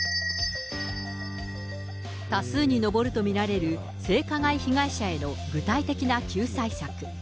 多数に上ると見られる性加害被害者への具体的な救済策。